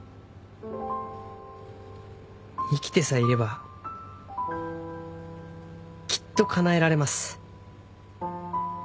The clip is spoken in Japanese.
生きてさえいればきっとかなえられます。